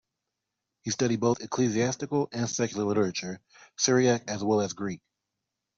He studied both ecclesiastical and secular literature, Syriac as well as Greek.